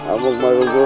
amat baik juga